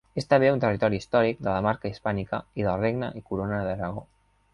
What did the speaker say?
És també un territori històric de la Marca Hispànica i del Regne i Corona d'Aragó.